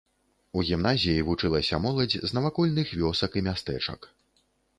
У гімназіі вучылася моладзь з навакольных вёсак і мястэчак.